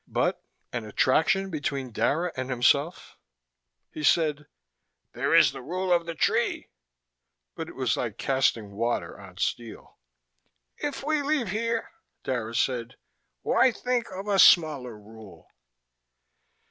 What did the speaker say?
But an attraction between Dara and himself ... he said: "There is the rule of the tree," but it was like casting water on steel. "If we leave here," Dara said, "why think of a smaller rule?"